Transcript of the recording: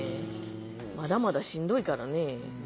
まだまだしんどいからね。